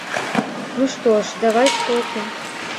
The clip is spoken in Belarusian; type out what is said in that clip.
Ну што ж, давай скокі!